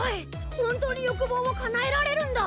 本当に欲望を叶えられるんだ！